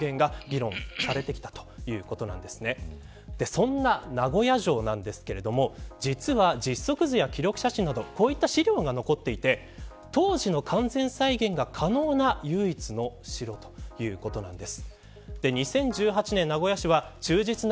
そんな名古屋城なんですけれども実は実測図や記録写真などこういった資料が残っていて当時の完全再現が可能な唯一の城ということなんです。